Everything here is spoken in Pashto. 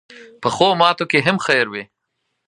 پخو ماتو کې هم خیر وي